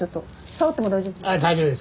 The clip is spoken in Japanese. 触っても大丈夫？